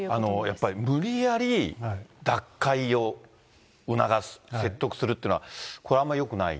やっぱり無理やり脱会を促す、説得するってのは、これ、あんまりよくない。